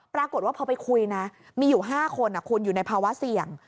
ปรากฏว่าพอไปคุยนะมีอยู่๕คนคุณอยู่ในภาวะเสี่ยง